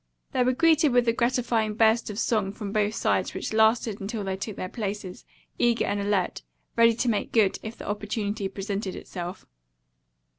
They were greeted with a gratifying burst of song from both sides which lasted until they took their places, eager and alert, ready to make good if the opportunity presented itself.